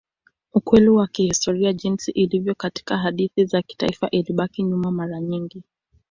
Ukweli wa kihistoria jinsi ilivyo katika hadithi za kitaifa ilibaki nyuma mara nyingi.